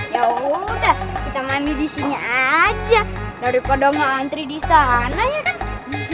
yaudah kita mandi disini aja daripada ngeantri disana ya kan